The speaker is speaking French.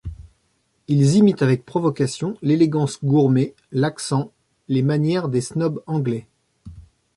Ils imitent avec provocation l'élégance gourmée, l'accent, les manières des snobs anglais.